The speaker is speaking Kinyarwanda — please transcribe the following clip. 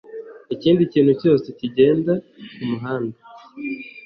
ikindi kintu cyose kigenda ku muhanda